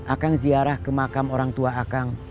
akan ziarah ke makam orang tua akang